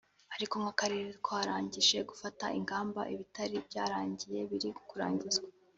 ariko nk’Akarere twarangije gufata ingamba ibitari birangiye biri kurangizwa